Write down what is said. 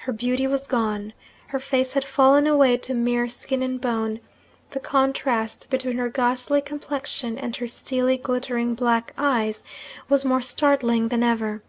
Her beauty was gone her face had fallen away to mere skin and bone; the contrast between her ghastly complexion and her steely glittering black eyes was more startling than ever.